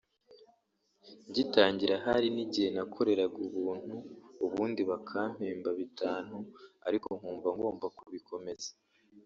ngitangira hari n’igihe nakoreraga ubuntu ubundi bakampemba bitanu ariko nkumva ngomba kubikomeza